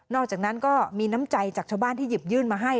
อกจากนั้นก็มีน้ำใจจากชาวบ้านที่หยิบยื่นมาให้